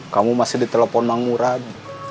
kamu masih ditelepon mang murad